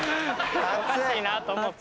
おかしいなと思った。